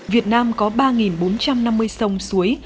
việt nam có ba bốn trăm năm mươi sông suối